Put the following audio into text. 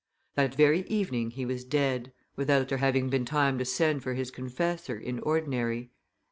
That very evening he was dead, without there having been time to send for his confessor in ordinary.